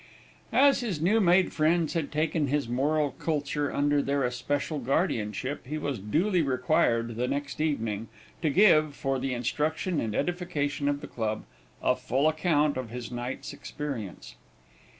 As his new made friends had taken his moral culture under their especial guardianship, he was duly required, the next evening, to give, for the instruction and edification of the club, a full account of his night's experience.